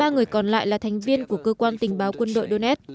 ba người còn lại là thành viên của cơ quan tình báo quân đội donets